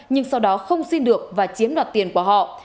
nhưng sau đó không xin được và chiếm đoạt tiền của họ